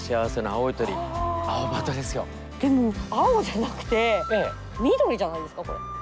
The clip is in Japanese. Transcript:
でも、青じゃなくて緑じゃないですか、これ。